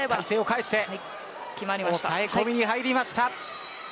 抑え込みに入りました。